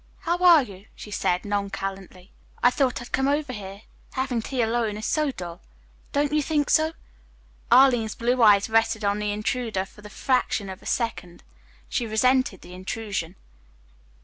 "How are you?" she said nonchalantly. "I thought I'd come over here. Having tea alone is dull. Don't you think so?" Arline's blue eyes rested on the intruder for the fraction of a second. She resented the intrusion.